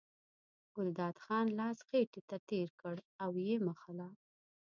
ګلداد خان لاس خېټې ته تېر کړ او یې مښله.